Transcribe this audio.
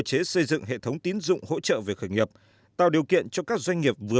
chế xây dựng hệ thống tín dụng hỗ trợ về khởi nghiệp tạo điều kiện cho các doanh nghiệp vừa